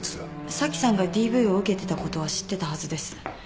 紗季さんがＤＶを受けてたことは知ってたはずです。